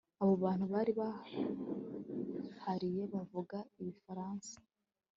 abo bantu bari hariya bavuga igifaransa